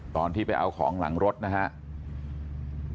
ตอนที่ไปเอาของหลังรถนะครับ